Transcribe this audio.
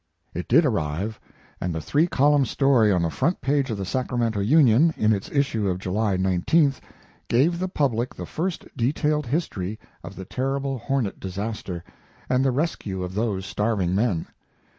It did arrive, and the three column story on the front page of the Sacramento Union, in its issue of July 19th, gave the public the first detailed history of the terrible Hornet disaster and the rescue of those starving men.